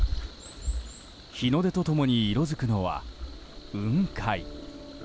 日の出と共に色づくのは雲海。